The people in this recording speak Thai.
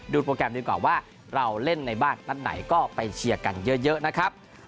โปรแกรมดีกว่าว่าเราเล่นในบ้านนัดไหนก็ไปเชียร์กันเยอะนะครับ